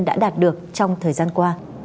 đã đạt được trong thời gian qua